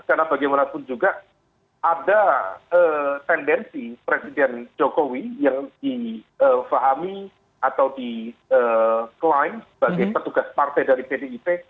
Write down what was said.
karena bagaimanapun juga ada tendensi presiden jokowi yang difahami atau di claim sebagai petugas partai dari pdip